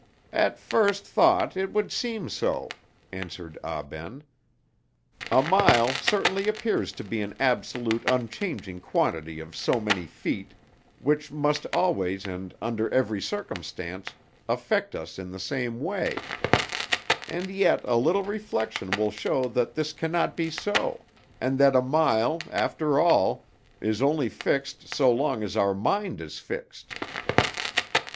"At first thought it would seem so," answered Ah Ben. "A mile certainly appears to be an absolute unchanging quantity of so many feet, which must always and under every circumstance affect us in the same way; and yet a little reflection will show that this can not be so, and that a mile, after all, is only fixed so long as our mind is fixed.